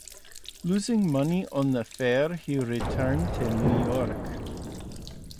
Losing money on the fair he returned to New York.